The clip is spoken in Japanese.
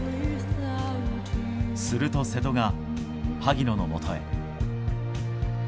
すると瀬戸が萩野のもとへ。